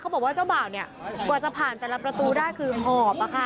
บอกว่าเจ้าบ่าวเนี่ยกว่าจะผ่านแต่ละประตูได้คือหอบอะค่ะ